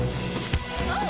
あっ！